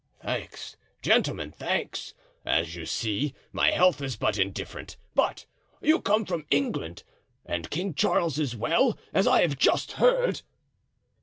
"Thanks, gentlemen, thanks! As you see, my health is but indifferent. But you come from England. And King Charles is well, as I have just heard?"